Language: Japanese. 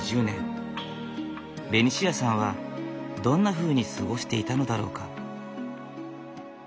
ベニシアさんはどんなふうに過ごしていたのだろうか。